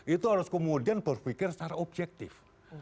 itu harus kemudian berpikir secara objektif